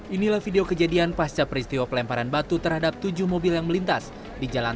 inilah video kejadian pasca peristiwa pelemparan batu terhadap tujuh mobil yang melintas di jalan